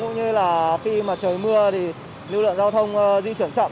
như là khi mà trời mưa thì lưu lượng giao thông di chuyển chậm